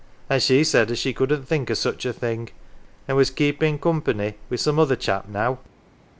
An' she said as she couldn't think o' such a thing an' was keepin' company wi' some other chap now."